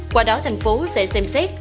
qua đó thành phố sẽ xem xét